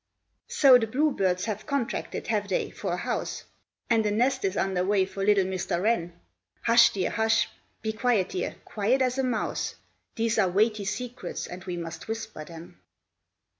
"So the Bluebirds have contracted, have they, for a house? And a nest is under way for little Mr. Wren? Hush, dear, hush! Be quiet, dear; quiet as a mouse. These are weighty secrets, and we must whisper them."